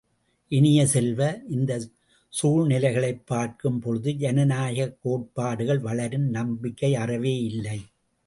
இனிய செல்வ, இந்தச் சூழ்நிலைகளைப் பார்க்கும் பொழுது ஜனநாயகக் கோட்பாடுகள் வளரும் நம்பிக்கை அறவே இல்லை.